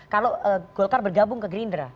kalau golkar bergabung ke gerindra